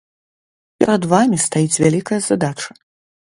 Перад вамі стаіць вялікая задача.